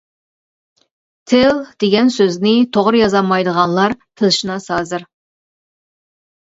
«تىل» دېگەن سۆزنى توغرا يازالمايدىغانلار تىلشۇناس ھازىر.